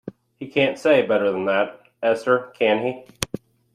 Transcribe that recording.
He can't say better than that, Esther, can he?